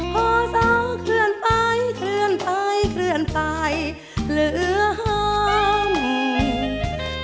พอสอเคลื่อนไปเคลื่อนไปเคลื่อนไปเหลือห้าม